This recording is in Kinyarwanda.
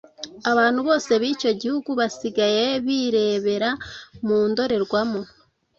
Abantu bose b’icyo gihugu basigaye birebera mu ndorerwamo